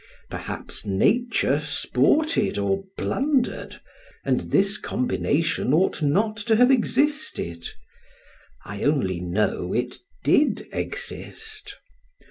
Perhaps Nature sported or blundered, and this combination ought not to have existed; I only know it did exist.